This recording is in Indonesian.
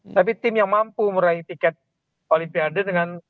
tapi tim yang mampu meraih tiket olimpiade dengan